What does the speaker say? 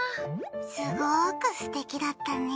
すごーくすてきだったね。